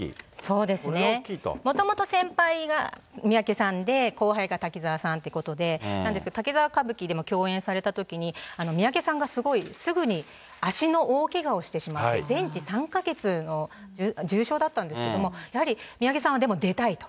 そうですね、もともと先輩が三宅さんで、後輩が滝沢さんってことで、なんですが、滝沢歌舞伎でも共演されたときに、三宅さんが、すぐに足の大けがをしてしまって、全治３か月の重傷だったんですけれども、やはり三宅さんはでも出たいと。